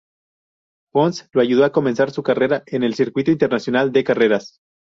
Pons lo ayudó a comenzar su carrera en el circuito internacional de carreras.